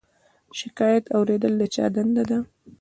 شکایت اوریدل د چا دنده ده؟